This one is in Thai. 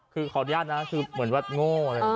คือขออนุญาตนะคือเหมือนว่าโง่เลย